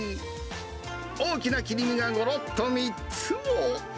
大きな切り身がごろっと３つも。